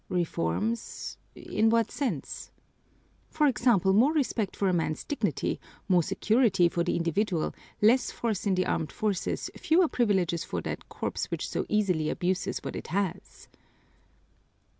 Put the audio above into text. "Reforms? In what sense?" "For example, more respect for a man's dignity, more security for the individual, less force in the armed forces, fewer privileges for that corps which so easily abuses what it has."